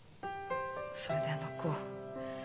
それであの子。